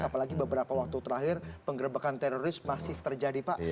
apalagi beberapa waktu terakhir penggerbekan teroris masih terjadi pak